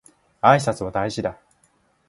挨拶は大事だ